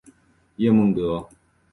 叶梦得。